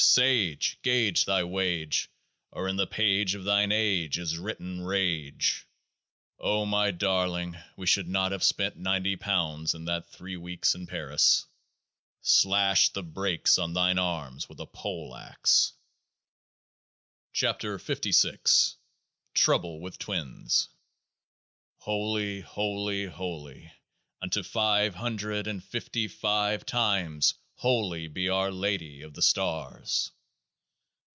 Sage ! Gauge thy Wage, or in the Page of Thine Age is written Rage ! O my darling ! We should not have spent Ninety Pounds in that Three Weeks in Paris ! Slash the Breaks on thine arm with a pole axe ! 70 KEOAAH NF TROUBLE WITH TWINS Holy, holy, holy, unto Five Hundred and Fifty Five times holy be OUR LADY of the STARS